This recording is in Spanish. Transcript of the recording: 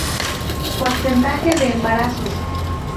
Porcentaje de embarazos.